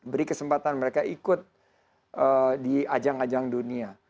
beri kesempatan mereka ikut di ajang ajang dunia